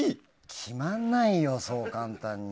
決まらないよ、そう簡単に。